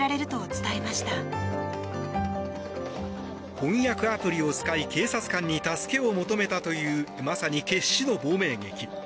翻訳アプリを使い警察官に助けを求めたというまさに決死の亡命劇。